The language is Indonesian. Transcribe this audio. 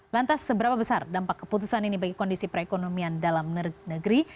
lantas seberapa besar dampak keputusan ini bagi kondisi perekonomian dalam negeri